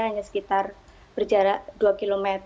hanya sekitar berjarak dua km